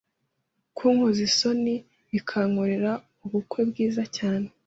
kunkoza isoni ikankorera ubukwe bwiza cyane